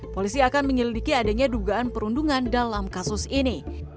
polisi akan menyelidiki adanya dugaan perundungan dalam kasus ini